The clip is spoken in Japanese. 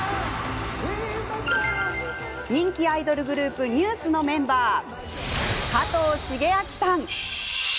人気アイドルグループＮＥＷＳのメンバー加藤シゲアキさん。